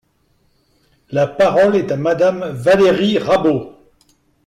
La parole est à Madame Valérie Rabault.